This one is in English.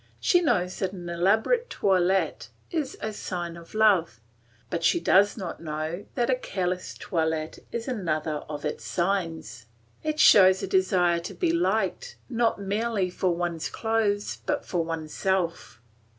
She knows that an elaborate toilet is a sign of love, but she does not know that a careless toilet is another of its signs; it shows a desire to be like not merely for one's clothes but for oneself.